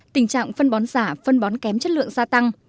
tình trạng phân bón giả phân bón kém chất lượng gia tăng